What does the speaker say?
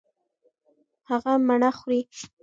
هغه مڼه خوري.